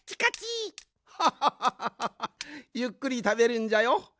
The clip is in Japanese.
ハハハハハゆっくりたべるんじゃよ。